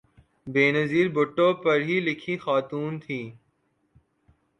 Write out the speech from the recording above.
بینظیر بھٹو پڑھی لکھی خاتون تھیں۔